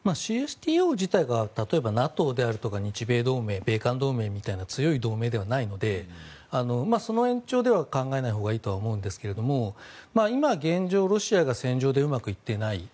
ＣＳＴＯ自体が例えばＮＡＴＯであるとか日米同盟米韓同盟みたいな強い同盟ではないのでその延長では考えないほうがいいと思うんですけども今、現状、ロシアが戦場でうまくいっていない。